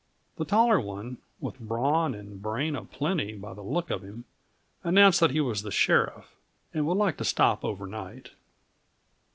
The taller one with brawn and brain a plenty, by the look of him announced that he was the sheriff, and would like to stop overnight.